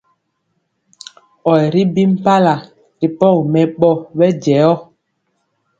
Or ri bi mpala ri pɔgi mɛbɔ bejɛɔ.